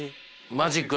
マジック。